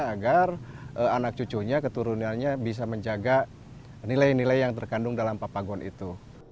agar anak cucunya keturunannya bisa menjaga nilai nilai yang terkandung dalam papagon itu